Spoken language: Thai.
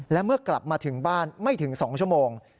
และเมื่อกลับมาถึงบ้านไม่ถึง๒ชั่วโมง